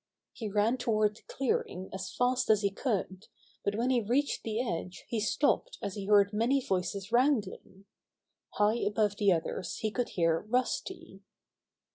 He ran toward the clearing as fast as he could, but when he reached the edge he stopped as he heard many voices wrangling. High above the others he could hear Rusty.